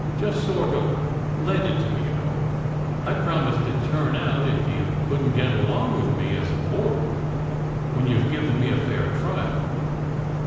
Just sort of lend it to me, you know. I d promise to turn out if you couldn t get along with me as a boarder when you ve given me a fair trial.